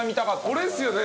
これですよね。